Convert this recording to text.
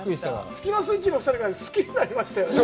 スキマスイッチの２人を好きになりましたよね。